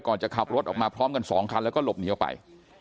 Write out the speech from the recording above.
ก่อนจะขับรถออกมาพร้อมกันสองคันแล้วก็หลบหนีไป